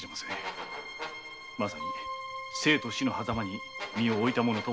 まさに生と死の狭間に身をおいたものと思います。